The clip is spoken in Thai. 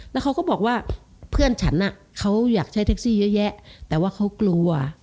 แล้วเขาก็บอกว่าเพื่อนฉันเขาอยากใช้แท็กซี่เยอะแยะแต่ว่าเขากลัว